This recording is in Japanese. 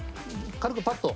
軽くパッと。